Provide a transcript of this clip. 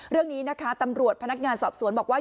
เรื่องนี้นะคะตำรวจพนักงานสอบสวนบอกว่า